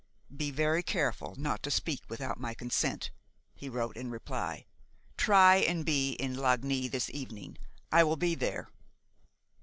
"Be very careful not to speak without my consent," he wrote in reply. "Try and be in Lagny this evening. I will be there."